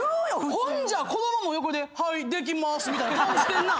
ほんじゃ子供も横で「はいできます」みたいな顔してんな。